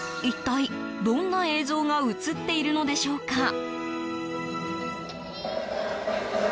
一体、どんな映像が映っているのでしょうか？